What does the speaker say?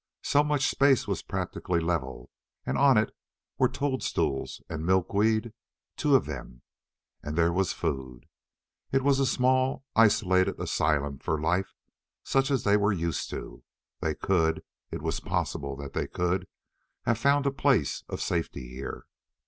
So much space was practically level, and on it were toadstools and milkweed two of them and there was food. It was a small, isolated asylum for life such as they were used to. They could it was possible that they could have found a place of safety here.